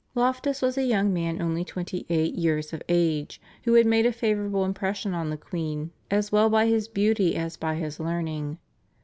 Loftus was a young man only twenty eight years of age, who had made a favourable impression on the queen as well by his beauty as by his learning.